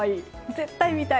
絶対見たい。